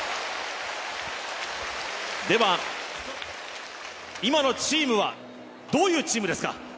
では、今のチームはどういうチームですか？